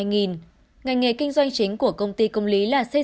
ngành nghề kinh doanh chính của công ty công lý là xây dựng công